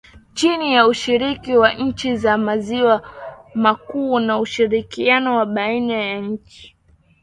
chini ya ushirika wa nchi za maziwa makuu na ushirikiano wa baina ya nchi